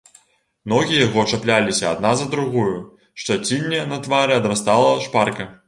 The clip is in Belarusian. Ногі яго чапляліся адна за другую, шчацінне на твары адрастала шпарка.